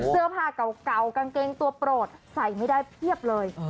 เสื้อผ้าเก่ากางเกงตัวโปรดใส่ไม่ได้เพียบเลย